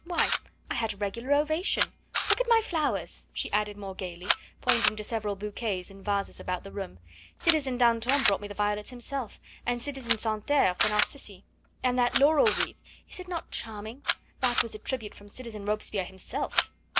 Why! I had a regular ovation! Look at my flowers!" she added more gaily, pointing to several bouquets in vases about the room. "Citizen Danton brought me the violets himself, and citizen Santerre the narcissi, and that laurel wreath is it not charming? that was a tribute from citizen Robespierre himself."